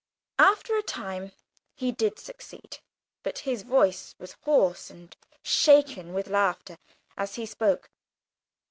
After a time he did succeed, but his voice was hoarse and shaken with laughter as he spoke.